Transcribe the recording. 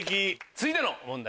続いての問題